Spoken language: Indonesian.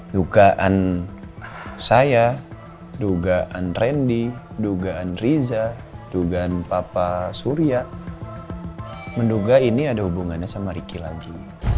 dugaan saya dugaan randy dugaan riza dugaan papa surya menduga ini ada hubungannya sama riki lagi